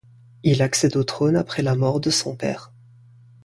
Il accède au trône après la mort de son père.